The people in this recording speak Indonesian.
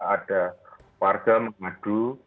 ada warga mengadu